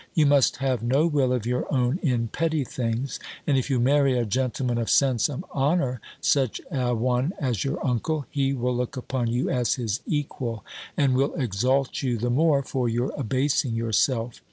You must have no will of your own, in petty things; and if you marry a gentleman of sense and honour, such a one as your uncle, he will look upon you as his equal; and will exalt you the more for your abasing yourself.